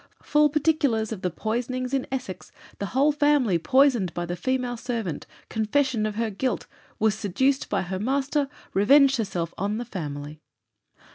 "Full particulars of the poisonings in Essex, the whole family poisoned by the female servant. Confession of her guilt. Was seduced by her master. Revenged herself on the family."